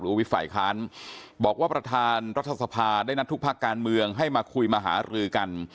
วิทย์ฝ่ายค้านบอกว่าประธานรัฐสภาได้นัดทุกภาคการเมืองให้มาคุยมาหารือกัน